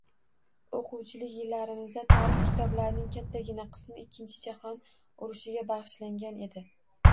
O`quvchilik yillarimizda tarix kitoblarining kattagina qismi Ikkinchi jahon urushiga bag`ishlangan edi